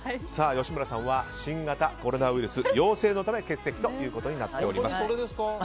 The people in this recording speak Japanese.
吉村さんは新型コロナウイルス陽性のため欠席ということになっています。